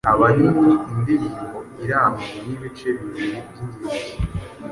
Ahanini indirimbo irangwa n’ibice bibiri by’ingenzi :